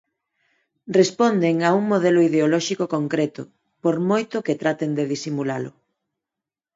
Responden a un modelo ideolóxico concreto, por moito que traten de disimulalo.